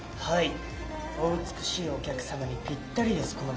はいお美しいお客様にぴったりです